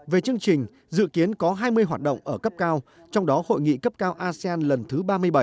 về chương trình dự kiến có hai mươi hoạt động ở cấp cao trong đó hội nghị cấp cao asean lần thứ ba mươi bảy